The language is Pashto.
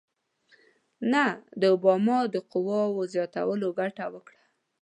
نه د اوباما د قواوو زیاتولو ګټه وکړه.